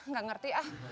gak ngerti ah